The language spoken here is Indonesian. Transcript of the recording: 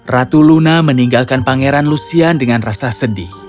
ratu luna meninggalkan pangeran lusian dengan rasa sedih